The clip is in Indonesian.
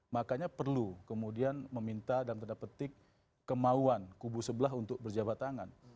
makanya perlu kemudian meminta dan mendapatkan kemauan kubu sebelah untuk berjabat tangan